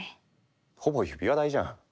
ほぼ指輪代じゃん。